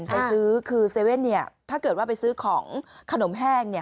ไปซื้อคือเซเว่นเนี่ยถ้าเกิดว่าไปซื้อของขนมแห้งเนี่ย